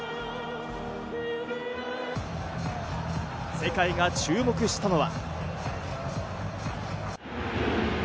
世界が注目したのは。